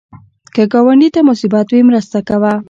که ګاونډي ته مصیبت وي، مرسته کوه